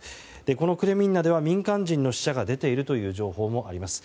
このクレミンナでは民間人の死者が出ているという情報もあります。